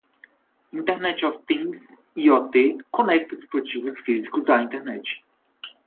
Internet of Things (IoT) conecta dispositivos físicos à internet.